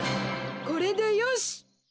これでよし！